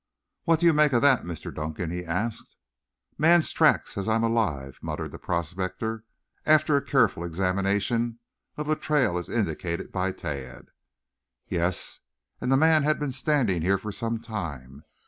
"What do you make of that, Mr. Dunkan?" he asked. "Man's tracks, as I'm alive," muttered the prospector, after a careful examination of the trail as indicated by Tad. "Yes, and the man had been standing here for some time.